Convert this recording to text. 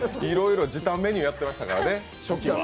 いろいろ時短メニューやってましたからね。